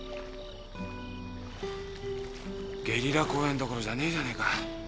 ゲリラ公演どころじゃねえじゃねえか。